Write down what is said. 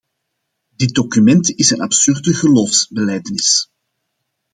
Dit document is een absurde geloofsbelijdenis.